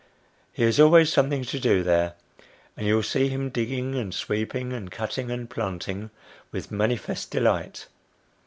He has always something to do there, and you will see him digging, and sweeping, and cutting, and planting, with manifest delight.